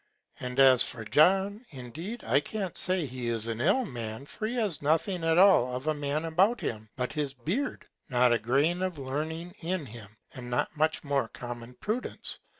And as for John, indeed I can't say he is an ill Man, for he has nothing at all of a Man about him but his Beard, not a Grain of Learning in him, and not much more common Prudence.